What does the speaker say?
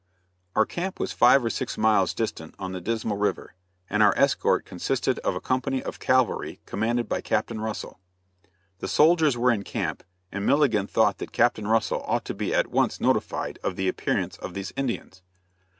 Our camp was five or six miles distant on the Dismal river, and our escort consisted of a company of cavalry commanded by Captain Russell. The soldiers were in camp, and Milligan thought that Captain Russell ought to be at once notified of the appearance of these Indians.